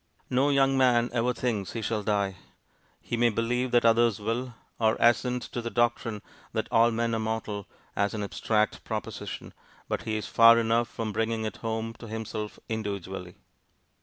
No young man ever thinks he shall die. He may believe that others will, or assent to the doctrine that 'all men are mortal' as an abstract proposition, but he is far enough from bringing it home to himself individually.